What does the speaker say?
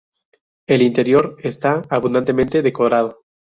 El interior está abundantemente decorado.